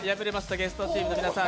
ゲストチームの皆さん